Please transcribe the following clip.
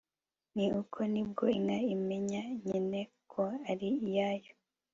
ni uko ni bwo inka imenye nyine ko ari iyayo